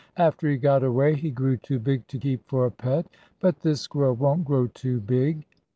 "After he got away, he grew too big to keep for a pet. But this squirrel won't grow too big."